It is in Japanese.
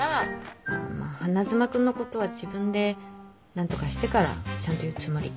まあ花妻君のことは自分で何とかしてからちゃんと言うつもり。